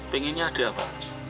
pengennya ada apa